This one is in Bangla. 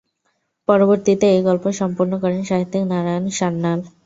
পরবর্তীতে এই গল্প সম্পূর্ণ করেন সাহিত্যিক নারায়ণ সান্যাল।